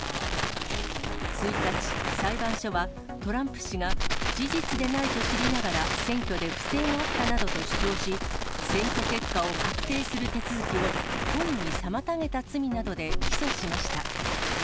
１日、裁判所は、トランプ氏が事実でないと知りながら、選挙で不正があったなどと主張し、選挙結果を確定する手続きを故意に妨げた罪などで起訴しました。